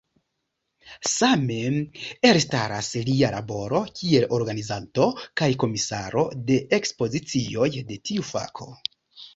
Same, elstaras lia laboro kiel organizanto kaj komisaro de ekspozicioj de tiu fako.